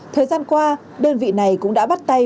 thời gian qua đơn vị này cũng đã bắt tay